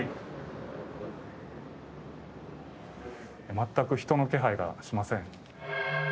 全く人の気配がしません。